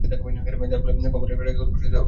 ফলে তার কপালের রেখাগুলো প্রসারিত হল।